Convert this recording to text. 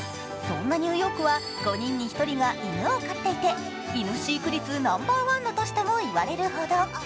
ここニューヨークは５人に１人が犬を飼っていて犬飼育率ナンバーワンとも言われるほど。